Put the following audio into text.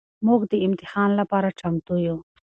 مونږ د امتحان لپاره چمتو يو.